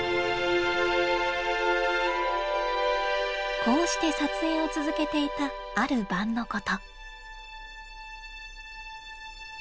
こうして撮影を続けていたある晩のこと。